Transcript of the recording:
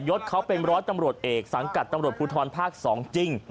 ศเขาเป็นร้อยตำรวจเอกสังกัดตำรวจภูทรภาค๒จริง